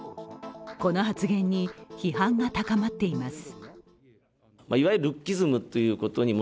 この発言に批判が高まっています。